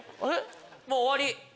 もう終わり。